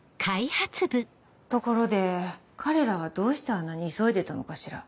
ところで彼らはどうしてあんなに急いでたのかしら。